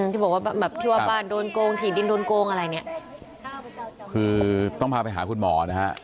ที่บอกว่าแบบที่ว่าบ้านโดนโกงถี่ดินโดนโกงอะไรเนี่ยคือต้องพาไปหาคุณหมอนะฮะ